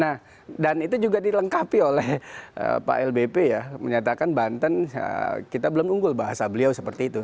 nah dan itu juga dilengkapi oleh pak lbp ya menyatakan banten kita belum unggul bahasa beliau seperti itu